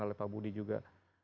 oleh pak budi juga